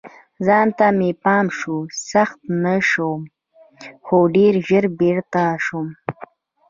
ځان ته مې پام شو، سخت نشه وم، خو ډېر ژر بیده شوم.